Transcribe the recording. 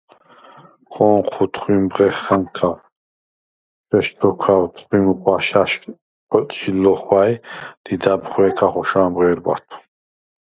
ქო̄ნჴუ თხვიმ ბღეხა̈ნქა, ჩვესჩოქვევ, თხვიმ ღვაშა̈შ ტოტჟი ლო̄ხვა̈ჲ, დიდა̈ბ ხვე̄ქა ხოშა̄მ ღე̄რბათვ.